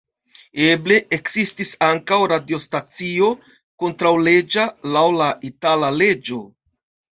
Eble ekzistis ankaŭ radiostacio kontraŭleĝa laŭ la itala leĝo.